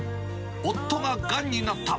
夫ががんになった。